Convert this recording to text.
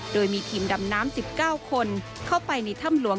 โดยมีทีมดำน้ำ๑๙คนเข้าไปในถ้ำหลวง